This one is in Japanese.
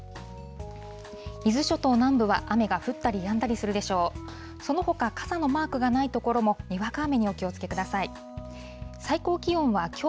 伊豆諸島南部は雨が降ったりやんだりするでしょう。